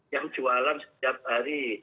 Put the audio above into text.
yang jualan setiap hari